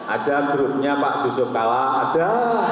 ada grupnya pak jusuf kala ada